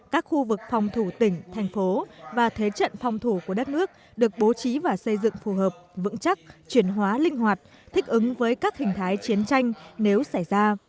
các khu vực phòng thủ tỉnh thành phố và thế trận phòng thủ của đất nước được bố trí và xây dựng phù hợp vững chắc chuyển hóa linh hoạt thích ứng với các hình thái chiến tranh nếu xảy ra